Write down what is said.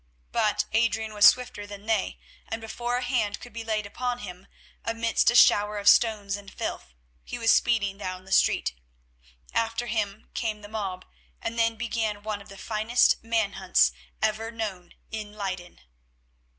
But Adrian was swifter than they, and before a hand could be laid upon him, amidst a shower of stones and filth, he was speeding down the street. After him came the mob, and then began one of the finest man hunts ever known in Leyden.